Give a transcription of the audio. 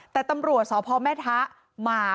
แต่ตำรวจสพแม่ทะมา